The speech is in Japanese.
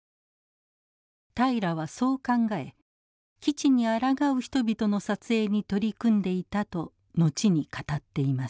平良はそう考え基地にあらがう人々の撮影に取り組んでいたと後に語っています。